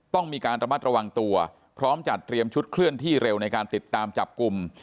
ต้องมีการระมัดระวังตัวพร้อมจัดเตรียมชุดเคลื่อนที่เร็วในการติดตามจับกลุ่ม